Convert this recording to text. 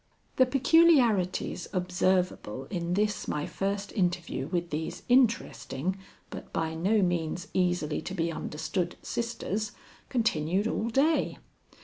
The peculiarities observable in this my first interview with these interesting but by no means easily to be understood sisters continued all day.